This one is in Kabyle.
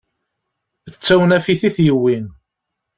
D tawnafit i t-yewwin.